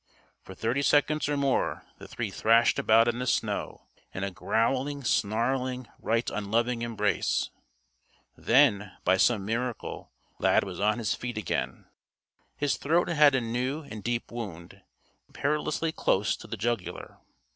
For thirty seconds or more the three thrashed about in the snow in a growling, snarling, right unloving embrace. Then, by some miracle, Lad was on his feet again. His throat had a new and deep wound, perilously close to the jugular.